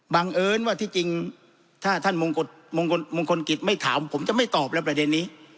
เอิญว่าที่จริงถ้าท่านมงคลกิจไม่ถามผมจะไม่ตอบแล้วประเด็นนี้